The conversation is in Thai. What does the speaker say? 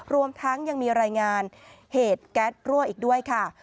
รวมทั้งยังมีรายงานเหตุแก๊สรั่วอีกด้วยค่ะ